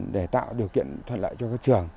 để tạo điều kiện thuận lợi cho các trường